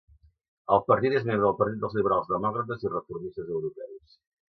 El partit és membre del Partit dels Liberals Demòcrates i Reformistes Europeus.